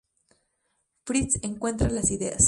Fritz encuentra las ideas".